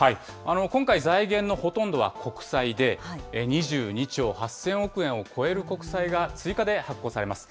今回、財源のほとんどは国債で、２２兆８０００億円を超える国債が追加で発行されます。